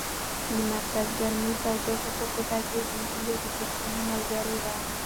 د مرکز ګرمۍ تودوخه په کوټه کې د هیلې د فکرونو ملګرې وه.